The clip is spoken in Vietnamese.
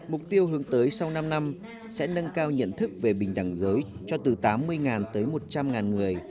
mục tiêu hướng tới sau năm năm sẽ nâng cao nhận thức về bình đẳng giới cho từ tám mươi tới một trăm linh người